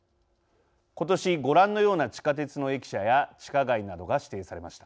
今年、ご覧のような地下鉄の駅舎や地下街などが指定されました。